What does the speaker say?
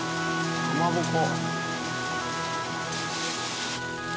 かまぼこ。